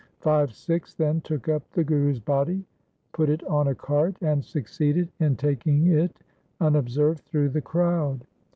Five Sikhs then took up the Guru's body, put it on a cart, and succeeded in taking it unobserved through the crowd.